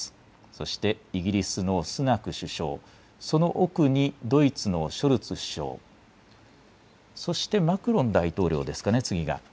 そしてイギリスのスナク首相、その奥にドイツのショルツ首相、そしてマクロン大統領ですかね、次が。